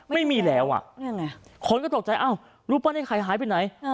ไม่มีแล้วอ่ะคนก็ตกใจอ้าวรูปปั้นไอ้ไข่หายไปไหน